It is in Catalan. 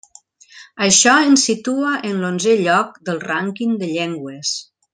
Això ens situa en l'onzè lloc del rànquing de llengües.